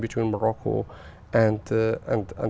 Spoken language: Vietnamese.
của việt nam với